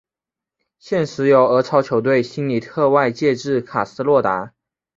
现时由俄超球队辛尼特外借至卡斯洛达。